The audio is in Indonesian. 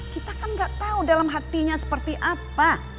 kita kan gak tahu dalam hatinya seperti apa